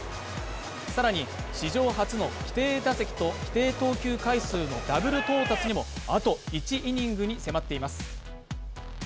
更に史上初の規定打席と規定投球回数のダブル到達にもあと１イニングに迫っています。